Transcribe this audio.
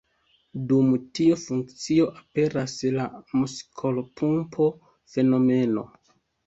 Dum tiu funkcio aperas la „muskolpumpo”-fenomeno.